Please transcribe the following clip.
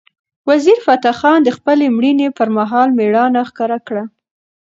وزیرفتح خان د خپلې مړینې پر مهال مېړانه ښکاره کړه.